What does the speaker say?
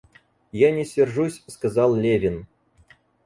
Я не сержусь, — сказал Левин.